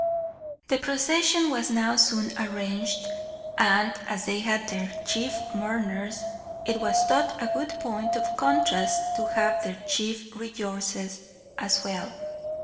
The procession was now soon arranged, and, as they had their chief mourners, it was thought a good point of contrast to have their chief rejoicers as well.